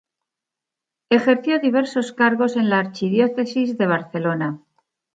Ejerció diversos cargos en la archidiócesis de Barcelona.